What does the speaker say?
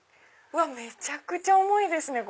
めちゃくちゃ重いですね！